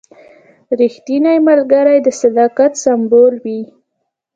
رښتینی ملګری د صداقت سمبول وي.